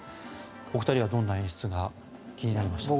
お二人はどんな演出が気になりましたか？